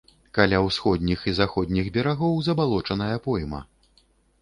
Каля ўсходніх і заходніх берагоў забалочаная пойма.